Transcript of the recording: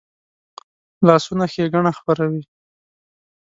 لاسونه ښېګڼه خپروي